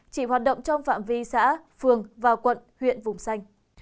chỉ hoạt động trong phạm vi xã phường và quận huyện vùng xanh